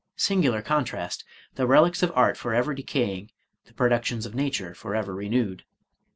Singular contrast! The relics of art forever decaying, — the productions of nature forever renewed.